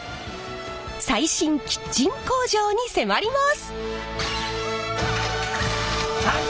最新キッチン工場に迫ります！